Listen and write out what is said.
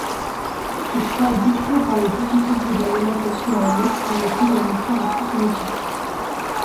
Ce choix, dicté par les difficultés d'alimentation en eau, permettait d'en réduire la consommation.